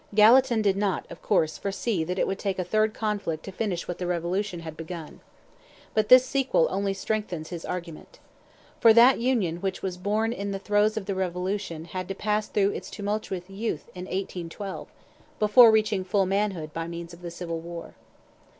Gallatin did not, of course, foresee that it would take a third conflict to finish what the Revolution had begun. But this sequel only strengthens his argument. For that Union which was born in the throes of the Revolution had to pass through its tumultuous youth in '1812' before reaching full manhood by means of the Civil War.